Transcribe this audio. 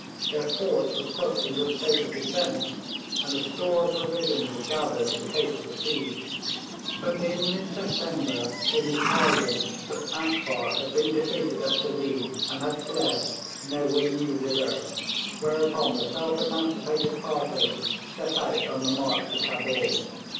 Their fort was put into a state of defence, and a store of provisions was gathered in case of a siege. But in mid September came the tidings that Akbar had been defeated at Tezeen, and had fled no one knew whither, whereupon the self emancipated party set out on the march to Cabul.